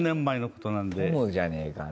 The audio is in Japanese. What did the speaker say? トムじゃねえかな。